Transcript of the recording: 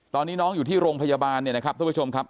ตอนนี้น้องอยู่ที่โรงพยาบาลเนี่ยนะครับท่านผู้ชมครับ